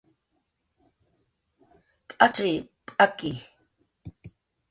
"P'acx""i, p'aki"